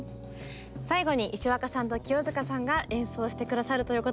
最後に石若さんと清塚さんが演奏して下さるということなんですが。